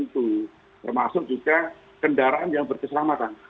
termasuk juga kendaraan yang berkeselamatan